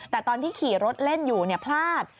แต่ตอนที่ขี่รถเล่นอยู่พลาด